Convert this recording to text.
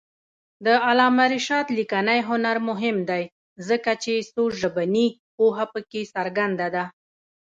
د علامه رشاد لیکنی هنر مهم دی ځکه چې څوژبني پوهه پکې څرګنده ده.